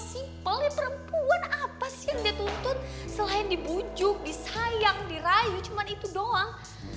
simple perempuan apa sih yang dituntut selain dibujuk disayang dirayu cuma itu doang